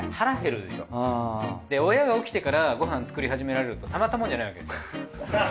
で親が起きてからご飯作り始められるとたまったもんじゃないわけですよ。